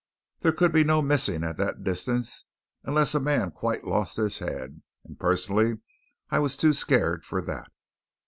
There could be no missing at the distance, unless a man quite lost his head; and personally I was too scared for that.